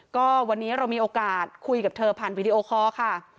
ก็วันนี้เรามีโอกาสคุยกับเธอผ่านวีดีโอคอร์ค่ะ